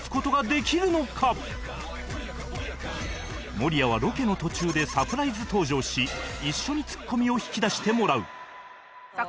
守屋はロケの途中でサプライズ登場し一緒にツッコミを引き出してもらうさあ